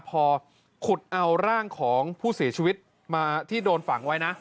พอขุดเอาร่างของผู้เสียชีวิตมาที่โดนฝังไว้นะ